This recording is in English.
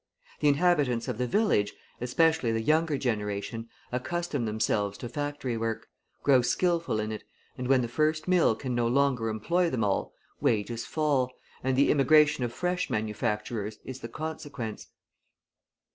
The inhabitants of the village, especially the younger generation, accustom themselves to factory work, grow skilful in it, and when the first mill can no longer employ them all, wages fall, and the immigration of fresh manufacturers is the consequence.